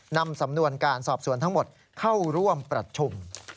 นำสำนวนการสอบสวนทั้งหมดเข้าร่วมประชุม